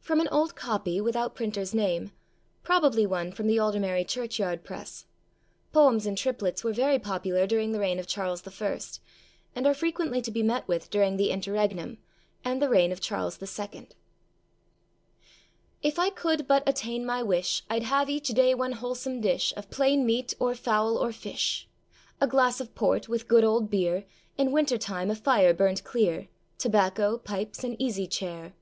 [FROM an old copy, without printer's name; probably one from the Aldermary Church yard press. Poems in triplets were very popular during the reign of Charles I., and are frequently to be met with during the Interregnum, and the reign of Charles II.] IF I could but attain my wish, I'd have each day one wholesome dish, Of plain meat, or fowl, or fish. A glass of port, with good old beer, In winter time a fire burnt clear, Tobacco, pipes, an easy chair.